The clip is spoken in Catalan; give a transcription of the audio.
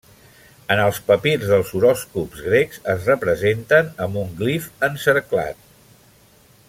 En els papirs dels horòscops grecs es representen amb un glif encerclat.